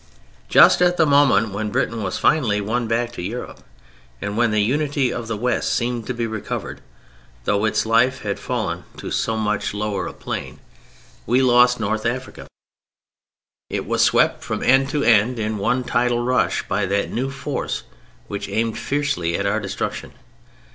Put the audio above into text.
Just at the moment when Britain was finally won back to Europe, and when the unity of the West seemed to be recovered (though its life had fallen to so much lower a plane), we lost North Africa; it was swept from end to end in one tidal rush by that new force which aimed fiercely at our destruction.